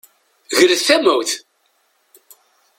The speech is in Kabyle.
Gret tamawt!